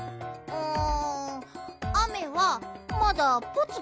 うん。